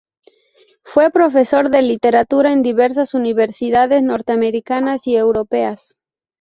Fue profesor de literatura en diversas universidades norteamericanas y europeas.